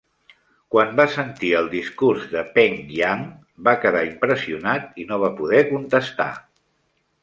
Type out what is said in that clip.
Quan va sentir el discurs de Peng Yang, va quedar impressionat i no va poder contestar.